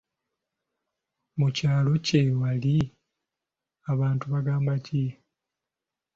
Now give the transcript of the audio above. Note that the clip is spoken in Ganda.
Mu kyalo gye wali abantu baagamba ki?